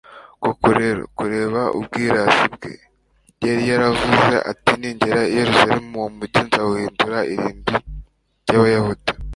koko rero, kubera ubwirasi bwe yari yaravuze ati ningera i yeruzalemu, uwo mugi nzawugira irimbi ry'abayahudi